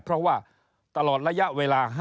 เพราะว่าตลอดระยะเวลา